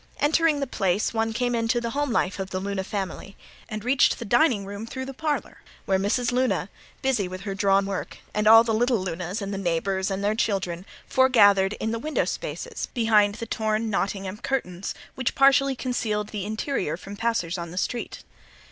Entering the place one came into the home life of the Luna family, and reached the dining room through the parlor, where Mrs. Luna, busy with her drawn work, and all the little Lunas and the neighbors and their children foregathered in the window spaces behind the torn Nottingham curtains which partially concealed the interior from passers on the street.